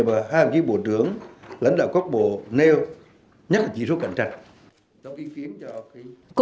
mà hàng ký bộ trưởng lãnh đạo quốc bộ nêu nhất là chỉ số cạnh trạch